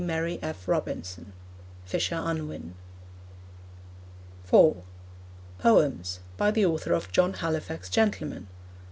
Mary F. Robinson. (Fisher Unwin.) (4) Poems. By the Author of John Halifax, Gentleman.